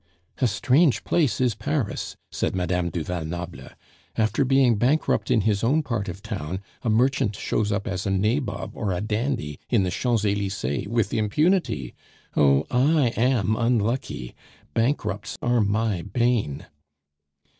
"A strange place is Paris!" said Madame du Val Noble. "After being bankrupt in his own part of town, a merchant turns up as a nabob or a dandy in the Champs Elysees with impunity! Oh! I am unlucky! bankrupts are my bane."